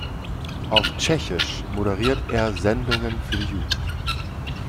Auf Tschechisch moderierte er Sendungen für die Jugend.